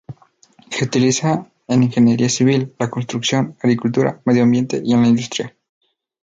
Se utilizan en ingeniería civil, la construcción, agricultura, medio ambiente y en la industria.